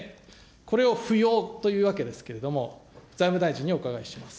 これを不要というわけですけれども、財務大臣にお伺いします。